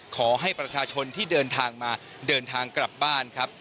ขอให้ประชาชนที่เดินทางมาเดินทางกลับบ้านครับ